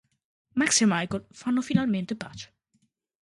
Max e Michael fanno finalmente pace.